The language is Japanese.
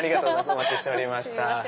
お待ちしておりました。